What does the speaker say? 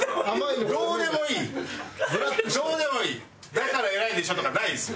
「だから偉いでしょ」とかないですよ。